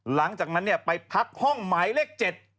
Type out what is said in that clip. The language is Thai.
หลังจากนั้นไปพักห้องหมายเลข๗